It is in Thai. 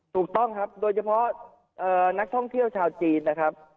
ถูกต้องครับโดยเฉพาะนักท่องเที่ยวชาวจีนนะครับ